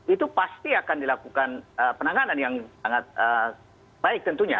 itu pasti akan dilakukan penanganan yang sangat baik tentunya